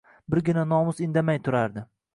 Birgina Nomus indamay turardi